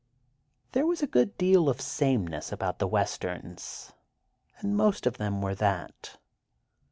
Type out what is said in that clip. There was a good deal of sameness about the Westerns, and most of them were that.